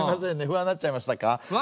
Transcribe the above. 不安になっちゃいましたか？